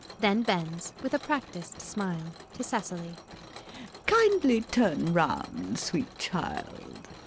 Then bends, with a practised smile, to Cecily.] Kindly turn round, sweet child.